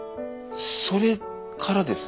それからですね。